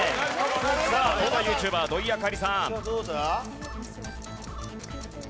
さあ東大ＹｏｕＴｕｂｅｒ土居明莉さん。